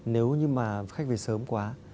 nếu như mà khách về sớm quá